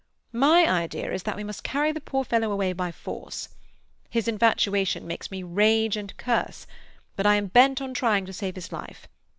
My idea is that we must carry the poor fellow away by force. His infatuation makes me rage and curse, but I am bent on trying to save his life.